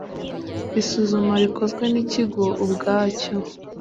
Isuzuma rikozwe n ikigo ubwacyo